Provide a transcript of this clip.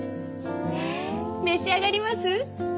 召し上がります？